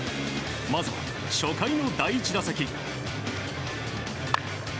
まずは初回の第１打席。